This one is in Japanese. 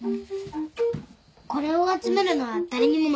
これを集めるのは誰にも負けない。